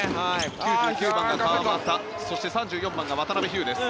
９９番が川真田そして３４番が渡邉飛勇です。